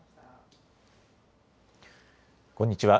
こんにちは。